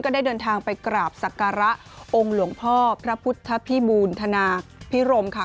ได้เดินทางไปกราบศักระองค์หลวงพ่อพระพุทธพิบูรณธนาพิรมค่ะ